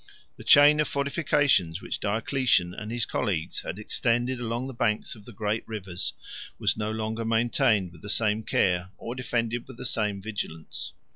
129 The chain of fortifications which Diocletian and his colleagues had extended along the banks of the great rivers, was no longer maintained with the same care, or defended with the same vigilance.